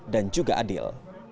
dan juga adil